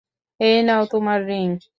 এই নাও তোমার রিং।